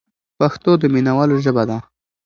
پښتو د مینوالو ژبه ده.